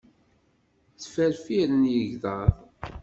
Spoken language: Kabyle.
Ttferfiren yigḍaḍ.